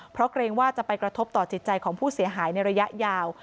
เพราะเกรงว่าจะไปกระทบต่อจิตใจของผู้เสียหายในระยะยาว